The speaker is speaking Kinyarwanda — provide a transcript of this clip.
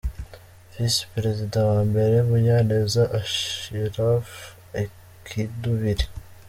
Vis perezida wa mbere: Munyaneza Ashiraf i Kadubiri .